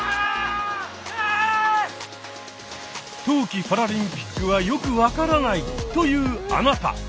冬季パラリンピックはよく分からないというあなた！